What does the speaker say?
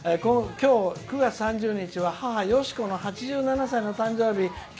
「今日９月３０日は母よしこの８７歳の誕生日」。